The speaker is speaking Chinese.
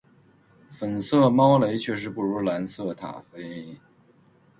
粉色猫雷确实不如蓝色塔菲